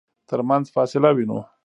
ترمنځ فاصله وينو.